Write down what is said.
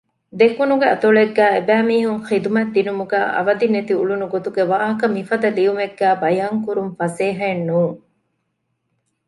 ދެކުނުގެ އަތޮޅެއްގައި އެބައިމީހުން ޚިދުމަތްދިނުމުގައި އަވަދިނެތިއުޅުނު ގޮތުގެ ވާހަކަ މިފަދަ ލިޔުމެއްގައި ބަޔާންކުރުން ފަސޭހައެއް ނޫން